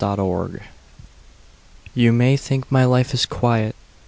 The Riot YOU may think my life is quiet.